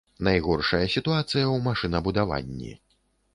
Найгоршая сітуацыя ў машынабудаванні.